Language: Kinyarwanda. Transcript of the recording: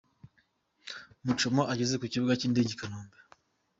Muchoma ageze ku kibuga cy'indege i Kanombe .